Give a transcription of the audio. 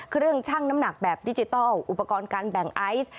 ช่างน้ำหนักแบบดิจิทัลอุปกรณ์การแบ่งไอซ์